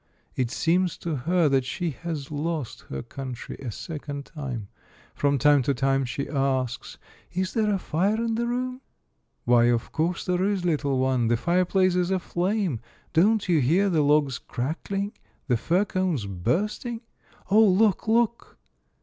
It seems to her that she has lost her country a second time. From time to time she asks, " Is there a fire in the room?" "Why, of course there is, little one. The fireplace is aflame ! Don't you hear the logs crackling, the fir cones bursting? — Oh, look, look